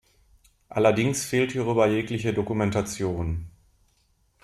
Allerdings fehlt hierüber jegliche Dokumentation.